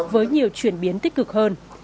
với nhiều chuyển biến tích cực hơn